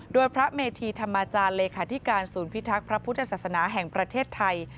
โดยพระเมธีธรรมจารย์เลขาธิการศูนย์พิทักษ์พระพุทธศาสนาแห่งประเทศไทย